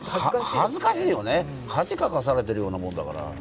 恥ずかしいよね恥かかされてるようなもんだから。